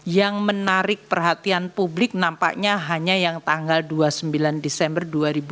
yang menarik perhatian publik nampaknya hanya yang tanggal dua puluh sembilan desember dua ribu dua puluh